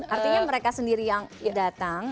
artinya mereka sendiri yang datang